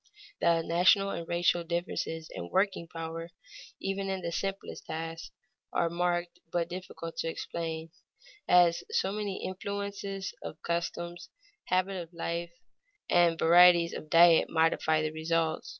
The national and racial differences in working power, even in the simplest tasks, are marked but difficult to explain, as so many influences of customs, habits of life, and varieties of diet modify the result.